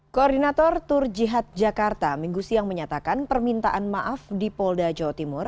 koordinator tur jihad jakarta minggu siang menyatakan permintaan maaf di polda jawa timur